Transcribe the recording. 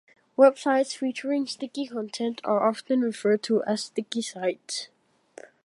Websites featuring sticky content are often referred to as sticky sites.